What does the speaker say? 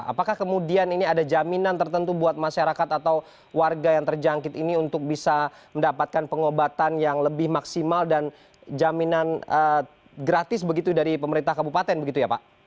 apakah kemudian ini ada jaminan tertentu buat masyarakat atau warga yang terjangkit ini untuk bisa mendapatkan pengobatan yang lebih maksimal dan jaminan gratis begitu dari pemerintah kabupaten begitu ya pak